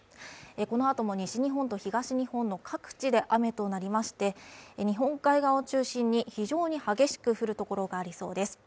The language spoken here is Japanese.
このあとも西日本と東日本の各地で雨となりまして日本海側を中心に非常に激しく降るところがありそうです。